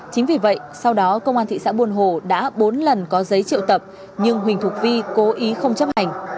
chính vì vậy sau đó công an thị xã buôn hồ đã bốn lần có giấy triệu tập nhưng huỳnh thúc vi cố ý không chấp hành